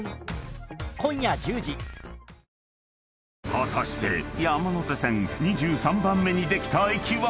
［果たして山手線２３番目にできた駅は？］